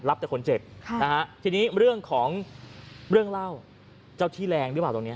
แต่คนเจ็บทีนี้เรื่องของเรื่องเล่าเจ้าที่แรงหรือเปล่าตรงนี้